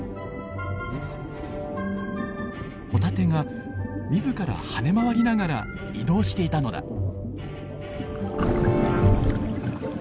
ホタテが自ら跳ね回りながら移動していたのだ。